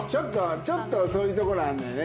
ちょっとそういうところあるんだよね。